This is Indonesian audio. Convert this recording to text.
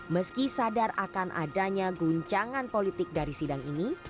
meski sadar akan adanya guncangan politik dari sidang ini